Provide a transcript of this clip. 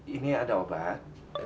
ini ada obat